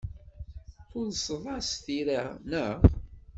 Tulseḍ-as tira, naɣ?